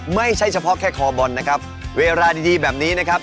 ไม่ใช่เฉพาะแค่คอบอลนะครับเวลาดีแบบนี้นะครับ